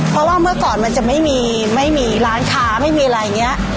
เพราะว่าเมื่อก่อนมันจะไม่มีไม่มีร้านค้าไม่มีอะไรอย่างนี้